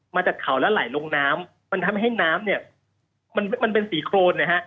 มาจากเขาแล้วไหลลงน้ำมันทำให้น้ำเนี่ยมันมันเป็นสีโครนนะฮะ